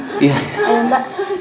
ayo suster sebentar